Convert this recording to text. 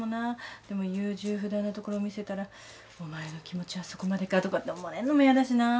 でも優柔不断なところ見せたら「お前の気持ちはそこまでか」とかって思われんのもやだしなぁ。